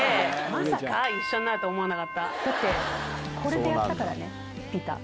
まさか、一緒になると思わなかっだって、これでやったからね、ピーター。